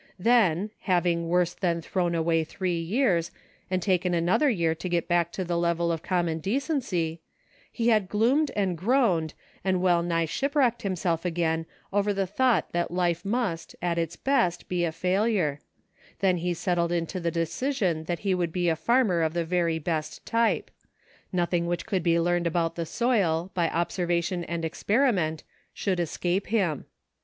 Then, having worse than thrown away three years, and taken another year to get back to the level of common decency, he had gloomed and groaned, and well nigh shipwrecked himself again over the thought that life must, at its best, be a GROWING "NECESSARY. IO9 failure ; then he settled into the decision that he would be a farmer of the very best type. Nothing which could be learned about the soil, by obser vation and experiment, should escape him.